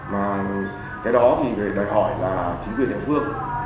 mà cái đó thì đòi hỏi là chính quyền địa phương